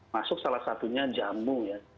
masuk salah satunya jamu